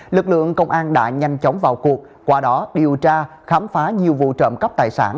lực lượng công an đã nhanh chóng vào cuộc qua đó điều tra khám phá nhiều vụ trộm cắp tài sản